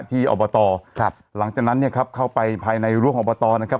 ที่อบัตรอดนะครับหลังจากนั้นเนี้ยครับเข้าไปภายในลวกอบบัตรอนะครับ